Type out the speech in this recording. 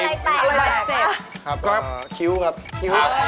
อะไรแตกบ้างหรือล่ะมวยไทยเสร็จครับครับครับคิ้วครับอะไรแตกบ้างหรือล่ะมวยไทย